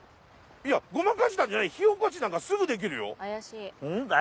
やっごまかしたんじゃない火おこしなんかすぐできるよ？